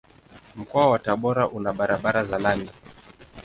Mkoa wa Tabora una barabara za lami.